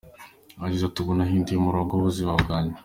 Yagize ati "Ubu nahinduye umurongo w’ubuzima bwanjye.